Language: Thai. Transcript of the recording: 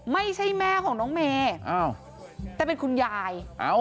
ไม่ใช่แม่ของน้องเมย์แต่เป็นคุณยาย